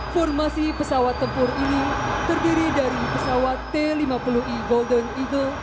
formasi pesawat tempur ini terdiri dari pesawat t lima puluh i golden eagle